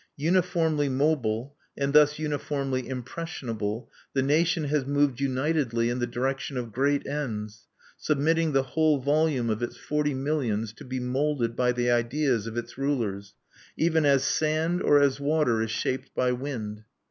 Uniformly mobile, and thus uniformly impressionable, the nation has moved unitedly in the direction of great ends, submitting the whole volume of its forty millions to be moulded by the ideas of its rulers, even as sand or as water is shaped by wind.